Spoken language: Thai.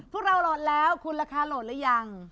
พวกเราโหลดแล้วคุณราคาโหลดหรือยัง